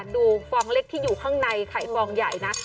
ฟองเล็กที่อยู่ข้างในไข่ฟองใหญ่นะ